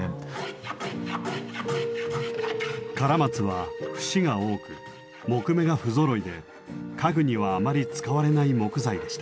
カラマツは節が多く木目がふぞろいで家具にはあまり使われない木材でした。